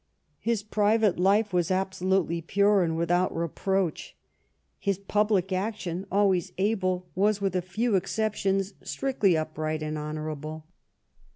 His private life was absolutely pure and without reproach. His public action, always able, was, with a few exceptions, strictly upright and honour able.